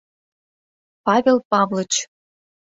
— Павел Павлыч.